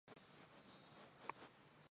舒磷人。